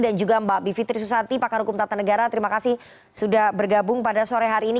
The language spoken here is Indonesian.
dan juga mbak bivitri susati pakar hukum tata negara terima kasih sudah bergabung pada sore hari ini